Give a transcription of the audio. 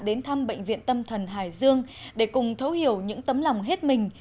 đến thăm bệnh viện tâm thần hải dương để cùng thấu hiểu những tấm lòng hết mình